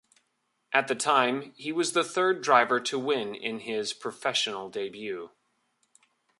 At the time, he was the third driver to win in his Professional debut.